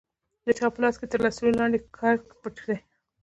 د چا په لاس کښې تر لستوڼي لاندې کرک پټ دى.